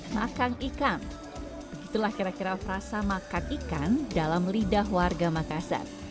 makang ikan begitulah kira kira frasa makan ikan dalam lidah warga makassar